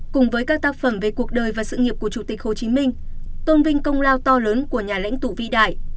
cùng với các tác phẩm về cuộc đời và sự nghiệp của chủ tịch hồ chí minh tôn vinh công lao to lớn của nhà lãnh tụ vĩ đại